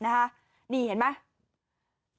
นี่เห็นไหม